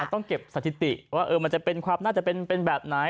ต้องเก็บสถิติว่ามันจะเป็นความน่าจะเป็นแบบไหน